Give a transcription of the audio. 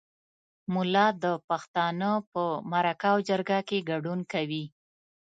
ملا د پښتانه په مرکه او جرګه کې ګډون کوي.